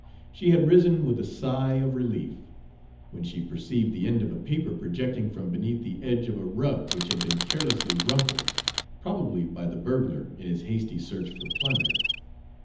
She had risen with a sigh of relief, when she perceived the end of a paper projecting from beneath the edge of a rug which had been carelessly rumpled, probably by the burglar in his hasty search for plunder.